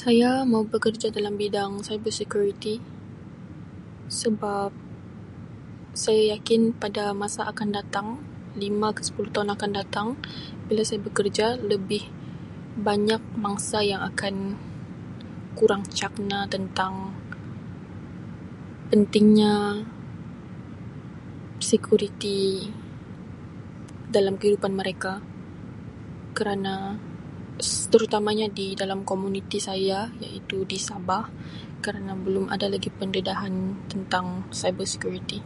"Saya mau bekerja dalam bidang ""cyber security"" sebab saya yakin pada masa akan datang, lima ke sepuluh tahun akan datang bila saya bekerja lebih banyak mangsa yang akan kurang cakna tentang pentingnya sekuriti dalam kehidupan mereka kerana terutamanya dalam komuniti saya iaitu di Sabah kerana belum ada lagi pendedahan tentang ""cyber security""."